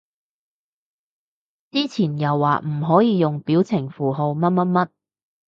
之前又話唔可以用表情符號乜乜乜